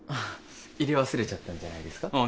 入れ忘れちゃったんじゃないですか？